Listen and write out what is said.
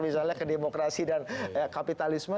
misalnya ke demokrasi dan kapitalisme